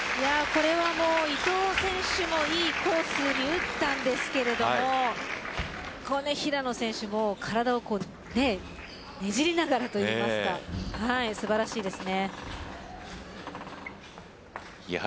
これは伊藤選手もいいコースには打ったんですけども平野選手も体をねじりながらといいますか素晴らしいです。